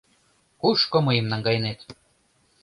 — Кушко мыйым наҥгайынет?